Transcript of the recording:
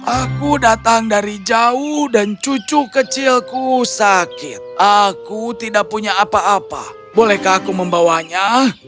aku datang dari jauh dan cucu kecilku sakit aku tidak punya apa apa bolehkah aku membawanya